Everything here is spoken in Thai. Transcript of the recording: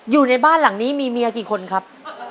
อยู่ในบ้านหลังนี้มีเมียกี่คนครับ